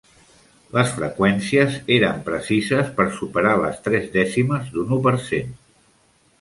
Les freqüències eren precises per superar les tres dècimes d'un u per cent.